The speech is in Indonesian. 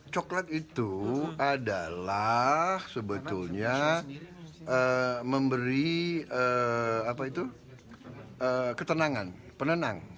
coklat itu adalah sebetulnya memberi ketenangan penenang